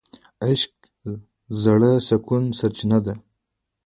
عشق د زړه د سکون سرچینه ده.